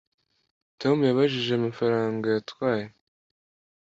Tom yabajije amafaranga yatwaye